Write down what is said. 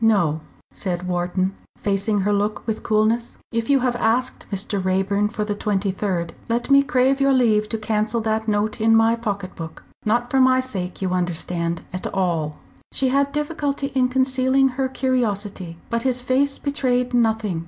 "No," said Wharton, facing her look with coolness. "If you have asked Mr. Raeburn for the 23rd, let me crave your leave to cancel that note in my pocket book. Not for my sake, you understand, at all." She had difficulty in concealing her curiosity. But his face betrayed nothing.